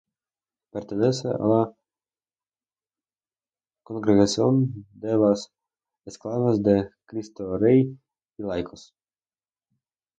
Pertenece a la Congregación de las Esclavas de Cristo Rey y Laicos.